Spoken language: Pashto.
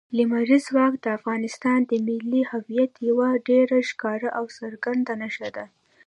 لمریز ځواک د افغانستان د ملي هویت یوه ډېره ښکاره او څرګنده نښه ده.